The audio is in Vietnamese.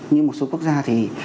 như một số quốc gia thì